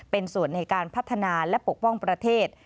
เป็นส่วนในการพัฒนาและปกป้องประเทศ